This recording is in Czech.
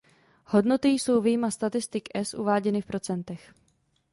Hodnoty jsou vyjma statistik es uváděny v procentech.